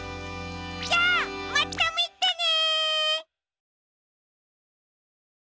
じゃあまたみてね！